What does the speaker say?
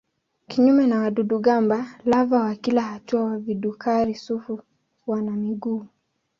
Kinyume na wadudu-gamba lava wa kila hatua wa vidukari-sufu wana miguu.